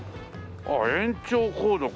あっ延長コードか。